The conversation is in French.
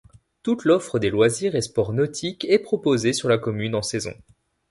Toute l'offre des loisirs et sports nautiques est proposée sur la commune en saison.